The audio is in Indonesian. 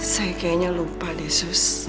saya kayaknya lupa deh sus